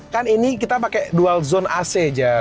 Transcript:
kan ini kita pakai dual zone ac aja